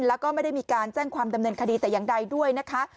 แล้วก็ไม่ได้มีการแจ้งความดำเนินคดีแต่อย่างใดด้วยนะคะ